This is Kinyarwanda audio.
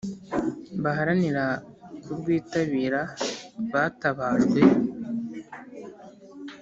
Baharanira kurwitabira batabajwe